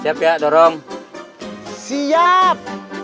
siap ya dorong siap